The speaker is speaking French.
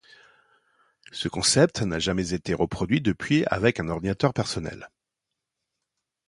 Ce concept n'a jamais été reproduit depuis avec un ordinateur personnel.